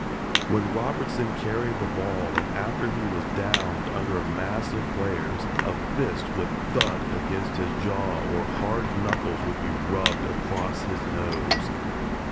When Robertson carried the ball and after he was downed under a mass of players, a fist would thud against his jaw or hard knuckles would be rubbed across his nose.